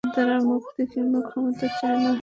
তারা মুক্তি কিংবা ক্ষমতা চায় না!